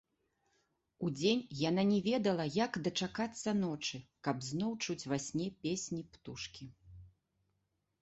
Удзень яна не ведала, як дачакацца ночы, каб зноў чуць ва сне песні птушкі.